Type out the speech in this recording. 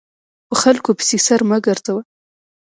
په خلکو پسې سر مه ګرځوه !